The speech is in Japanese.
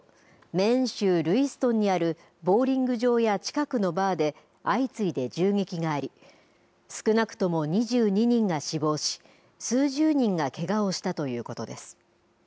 メーン州ルイストンにあるボウリング場や近くのバーで相次いで銃撃があり少なくとも２２人が死亡し数十人がけがをしたということです。